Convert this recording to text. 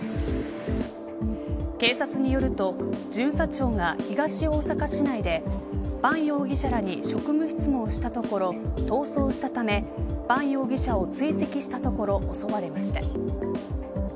警察によると、巡査長が東大阪市内でバン容疑者らに職務質問したところ逃走したためバン容疑者を追跡したところ襲われました。